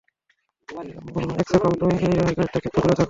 একছে কম তুমি এই রেহান গাইড থেকে তো দূরে থাকো।